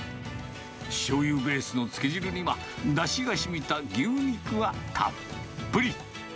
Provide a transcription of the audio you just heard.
しょうゆベースのつけ汁には、だしがしみた牛肉がたっぷり。